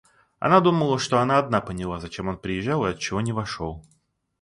Она думала, что она одна поняла, зачем он приезжал и отчего не вошел.